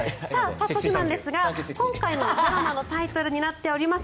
そして、今回のドラマのタイトルになっております